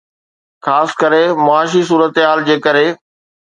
خاص ڪري معاشي صورتحال جي ڪري.